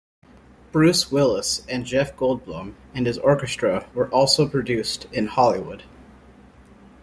Bruce Willis and Jeff Goldblum and his orchestra were also produced in Hollywood.